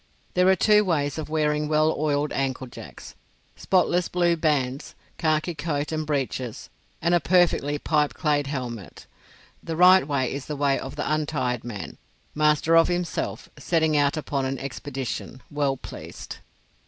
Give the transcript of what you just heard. There are two ways of wearing well oiled ankle jacks, spotless blue bands, khaki coat and breeches, and a perfectly pipeclayed helmet. The right way is the way of the untired man, master of himself, setting out upon an expedition, well pleased.